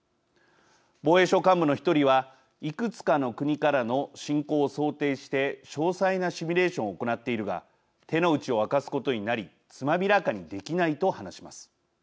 防衛省幹部の１人はいくつかの国からの侵攻を想定して詳細なシミュレーションを行っているが手の内を明かすことになりつまびらかにできないと話します。